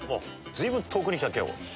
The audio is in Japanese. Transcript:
随分遠くに来た今日。